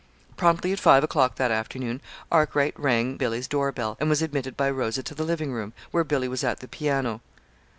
Promptly at five o'clock that afternoon, Arkwright rang Billy's doorbell, and was admitted by Rosa to the living room, where Billy was at the piano.